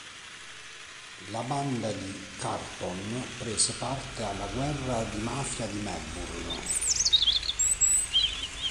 La Banda di Carlton prese parte alla Guerra di mafia di Melbourne.